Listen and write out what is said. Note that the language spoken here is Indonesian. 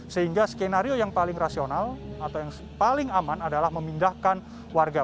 sehingga skenario yang paling rasional atau yang paling aman adalah memindahkan warga